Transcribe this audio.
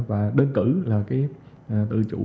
và đơn cử là tự chủ